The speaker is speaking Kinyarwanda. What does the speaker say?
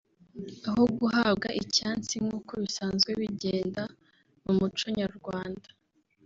aho guhabwa ‘icyansi’ nk’uko bisanzwe bigenda mu muco Nyarwanda